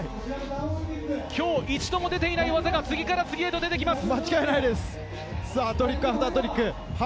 今日一度も出ていない技が次から次へと出てきます。